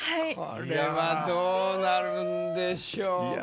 これはどうなるんでしょうか？